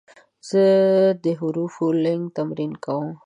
زه د حروفو لیک تمرین کوم.